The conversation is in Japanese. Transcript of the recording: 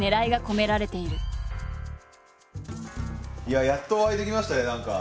いややっとお会いできましたね何か。